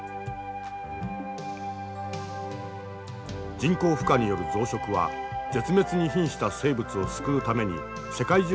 人工孵化による増殖は絶滅にひんした生物を救うために世界中で試みられている。